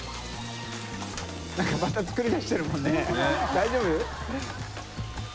大丈夫？